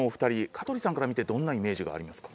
香取さんから見てどんなイメージがありますか？